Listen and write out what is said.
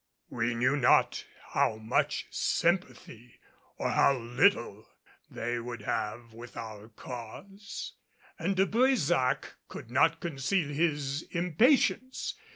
We knew not how much sympathy or how little they would have with our cause and De Brésac could not conceal his impatience.